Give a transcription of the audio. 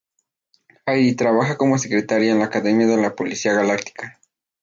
Airi trabaja como secretaria en la Academia de la Policía Galáctica.